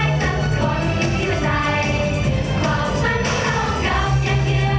เราก็ไม่ได้มาแค่เพลงนี้แหละ